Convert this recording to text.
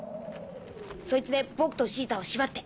そいつで僕とシータをしばって。